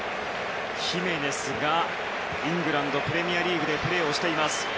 ヒメネスはイングランド・プレミアリーグでプレーしています。